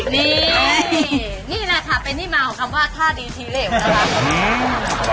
นี่นี่แหละค่ะเป็นที่มาของคำว่าท่าดีทีเหลวนะครับ